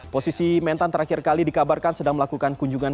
posisi mentan terakhir kali dikabarkan sedang melakukan kunjungan